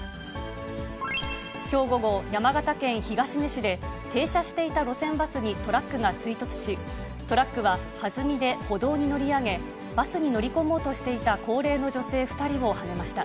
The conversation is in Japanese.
きょう午後、山形県東根市で、停車していた路線バスにトラックが追突し、トラックは弾みで歩道に乗り上げ、バスに乗り込もうとしていた高齢の女性２人をはねました。